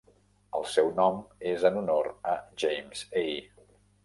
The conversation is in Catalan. El seu nom és en honor a James A.